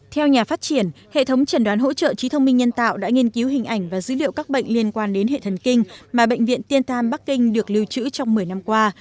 theo nhà phát triển hệ thống chẩn đoán hỗ trợ trí thông minh nhân tạo đã nghiên cứu hình ảnh và dữ liệu các bệnh liên quan đến hệ thần kinh mà bệnh viện tien time bắc kinh được lưu trữ trong một mươi năm qua